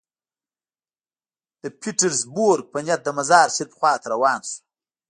د پیټرزبورګ په نیت د مزار شریف خوا ته روان شو.